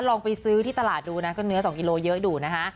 ลองไปซื้อที่ตลาดดูนะก็เนื้อ๒กิโลเยอะดูนะคะ